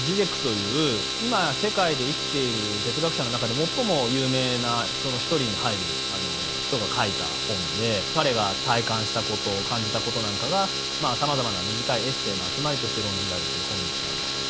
ジジェクという今世界で生きている哲学者の中で最も有名な人の一人に入る人が書いた本で彼が体感したこと感じたことなんかがまあさまざまな短いエッセーの集まりとして論じられてる本になります。